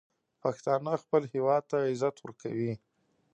پښتانه خپل هیواد ته عزت ورکوي.